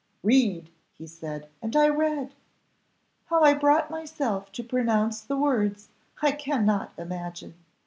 'Read,' he said, and I read. How I brought myself to pronounce the words, I cannot imagine.